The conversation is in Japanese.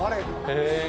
へえ。